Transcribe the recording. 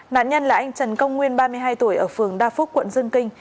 nạn nhân là anh trần công nguyên ba mươi hai tuổi ở phường đa phúc quận dương kinh